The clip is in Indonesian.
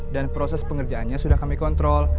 dan proses pengerjaannya sudah kami kontrol